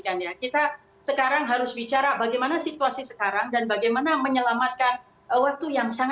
kita sekarang harus bicara bagaimana situasi sekarang dan bagaimana menyelamatkan waktu yang saatnya